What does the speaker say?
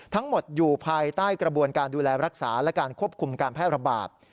ทั้งหมดอยู่ภายใต้กระบวนการดูแลรักษาและการควบคุมการแพร่ระบาด